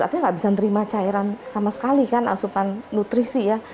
artinya nggak bisa terima cairan sama sekali kan asupan nutrisi ya